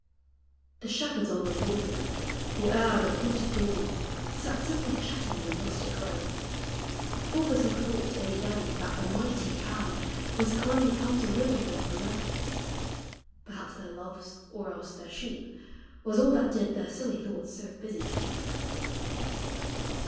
The shepherds on the lawn, Or e'er the point of dawn, Sat simply chatting in a rustic row; Full little thought they then That the mighty Pan Was kindly come to live with them below; Perhaps their loves, or else their sheep, Was all that did their silly thoughts so busy keep.